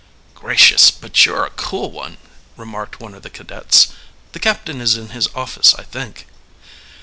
"Gracious, but you're a cool one!" remarked one of the cadets. "The captain is in his office, I think."